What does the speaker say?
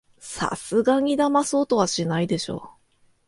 さすがにだまそうとはしないでしょ